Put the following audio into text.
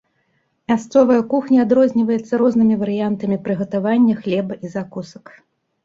Мясцовая кухня адрозніваецца рознымі варыянтамі прыгатавання хлеба і закусак.